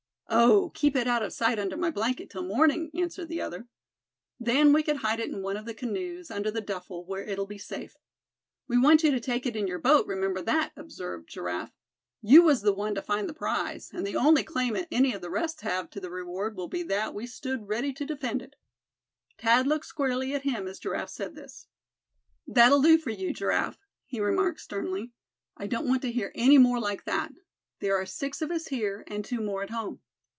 "Oh! keep it out of sight under my blanket till morning," answered the other. "Then we can hide it in one of the canoes, under the duffle, where it'll be safe." "We want you to take it in your boat, remember that," observed Giraffe. "You was the one to find the prize, and the only claim any of the rest have to the reward will be that we stood ready to defend it." Thad looked squarely at him as Giraffe said this. "That'll do for you, Giraffe," he remarked sternly. "I don't want to hear any more like that. There are six of us here, and two more at home.